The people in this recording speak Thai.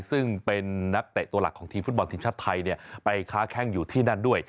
ซึ่งเป็นนักเตะตัวหลักของทีมฟุตบอลทีมชาติไทยไปค้าแข้งอยู่ที่นั่นด้วย